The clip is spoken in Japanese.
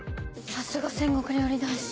さすが戦国料理男子。